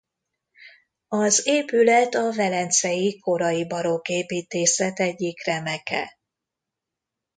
Az épület a velencei korai barokk építészet egyik remeke.